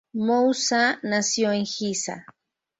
Moussa nació en Giza.